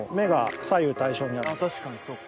確かにそっか。